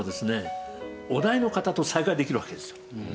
於大の方と再会できるわけですよ。